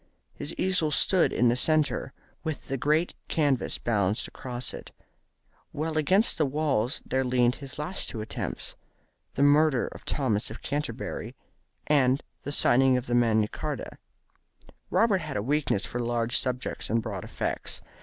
His easel stood in the centre, with the great canvas balanced across it, while against the walls there leaned his two last attempts, "The Murder of Thomas of Canterbury" and "The Signing of Magna Charta." Robert had a weakness for large subjects and broad effects.